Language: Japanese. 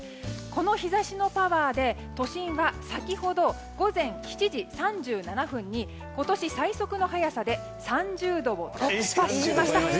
この日差しのパワーで都心は先ほど午前７時３７分に今年最速の早さで３０度を突破しました。